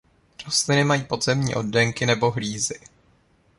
Rostliny mají podzemní oddenky nebo hlízy.